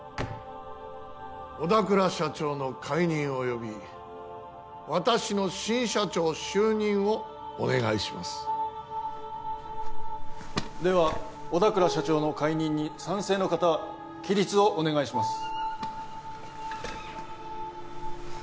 小田倉社長の解任および私の新社長就任をお願いしますでは小田倉社長の解任に賛成の方起立をお願いします